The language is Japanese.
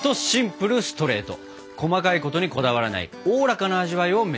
細かいことにこだわらないおおらかな味わいを目指します！